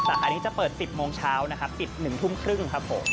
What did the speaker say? แต่อันนี้จะเปิด๑๐โมงเช้านะครับปิด๑ทุ่มครึ่งครับผม